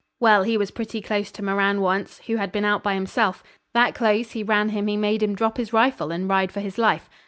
Well, he was pretty close to Moran once, who had been out by himself; that close he ran him he made him drop his rifle and ride for his life.